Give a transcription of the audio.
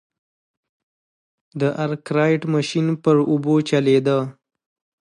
د ارکرایټ ماشین پر اوبو چلېده.